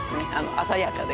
鮮やかで